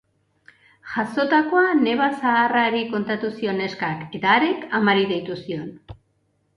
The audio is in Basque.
Jazotakoa neba zaharrari kontatu zion neskak eta harek amari deitu zion.